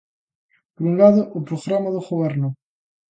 Por un lado, o programa de Goberno.